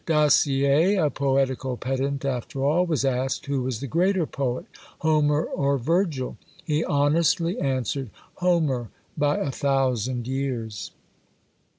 Dacier, a poetical pedant after all, was asked who was the greater poet, Homer or Virgil? he honestly answered, "Homer by a thousand years!"